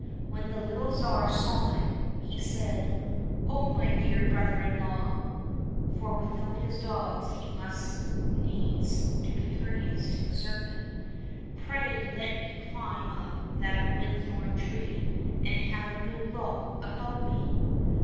When the little Tsar saw it, he said, " Oh, my dear brother in law !" (for without his dogs he must needs be courteous to the serpent) " pray let me climb up that w^hitethorn tree, and have a good look about me